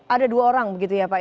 ada dua orang begitu ya pak